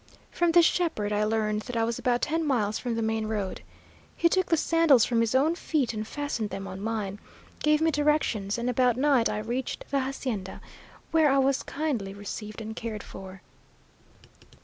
From this shepherd I learned that I was about ten miles from the main road. He took the sandals from his own feet and fastened them on mine, gave me directions, and about night I reached the hacienda, where I was kindly received and cared for.